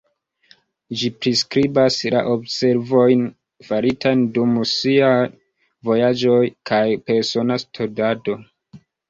Ĝi priskribas la observojn faritajn dum siaj vojaĝoj kaj persona studado.